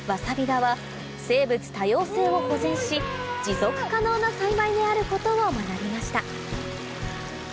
田は生物多様性を保全し持続可能な栽培であることを学びました